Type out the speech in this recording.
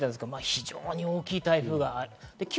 非常に大きい台風があります。